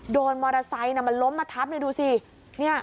โดนมอเตอร์ไซค์มันล้มมาทับดูสิ